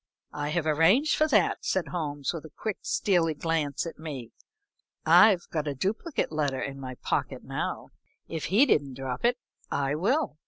"I have arranged for that," said Holmes, with a quick, steely glance at me. "I've got a duplicate letter in my pocket now. If he didn't drop it, I will."